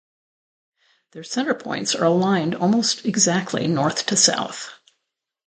Their centre points are aligned almost exactly north to south.